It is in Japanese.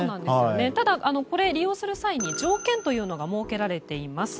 ただ、利用する際に条件というのが設けられています。